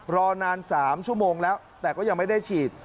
รอนาน๓ชั่วโมงแล้วแต่ก็ยังไม่ได้ฉีด